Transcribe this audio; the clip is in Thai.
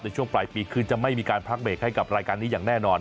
ในช่วงปลายปีคือจะไม่มีการพักเบรกให้กับรายการนี้อย่างแน่นอน